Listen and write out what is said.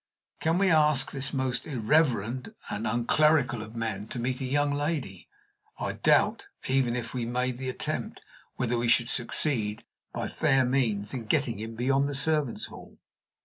Can we ask this most irreverend and unclerical of men to meet a young lady? I doubt, even if we made the attempt, whether we should succeed, by fair means, in getting him beyond the servants' hall.